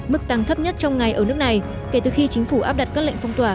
mức tăng thấp nhất trong ngày ở nước này kể từ khi chính phủ áp đặt các lệnh phong tỏa